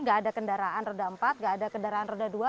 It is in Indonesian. gak ada kendaraan reda empat gak ada kendaraan reda dua